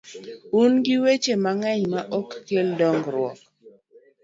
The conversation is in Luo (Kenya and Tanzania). Un gi weche mang’eny ma ok kel dongruok